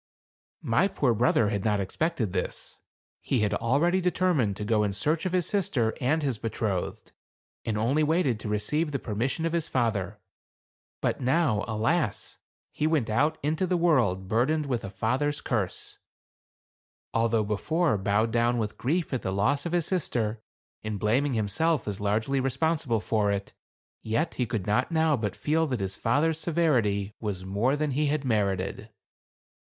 My poor brother had not expected this. He had already determined to go in search of his sister and his betrothed, and only waited to re ceive the permission of his father. But now, alas ! he went out into the world burdened with 162 THE CARAVAN. a father's curse. Although before bowed down with grief at the loss of his sister, and blaming himself as largely responsible for it, yet he could not now but feel that his father's severity was more than he had merited.